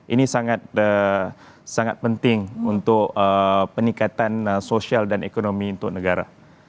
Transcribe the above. ini sangat penting untuk peningkatan sosial dan ekonomi untuk negara